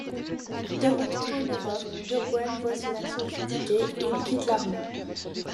De retour en Europe, Burgoyne voit son action critiquée et il quitte l'armée.